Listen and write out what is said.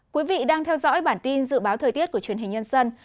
quý vị đang theo dõi bản tin dự báo thời tiết của truyền hình nhân dân